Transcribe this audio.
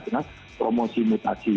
dengan promosi mutasi